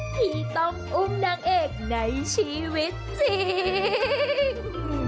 ที่ต้องอุ้มนางเอกในชีวิตจริง